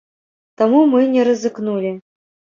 Таму мы не рызыкнулі.